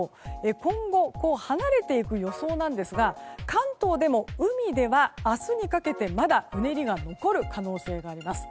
こちら、列島を離れていく予想なんですが関東でも海では明日にかけてまだうねりが残る可能性があります。